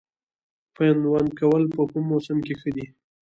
پیوند کول په کوم موسم کې ښه دي؟